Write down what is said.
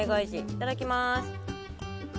いただきます。